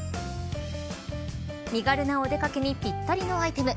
身軽なお出掛けにぴったりのアイテム。